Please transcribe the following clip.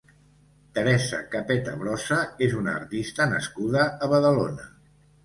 Teresa Capeta Brossa és una artista nascuda a Badalona.